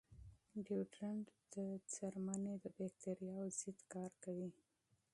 ډیوډرنټ د پوستکي د باکتریاوو ضد کار کوي.